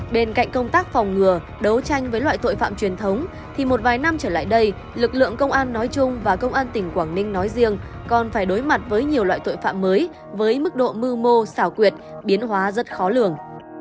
bên cạnh công tác phòng ngừa đấu tranh với loại tội phạm truyền thống thì một vài năm trở lại đây lực lượng công an nói chung và công an tỉnh quảng ninh nói riêng còn phải đối mặt với nhiều loại tội phạm mới với mức độ mưu mô xảo quyệt biến hóa rất khó lường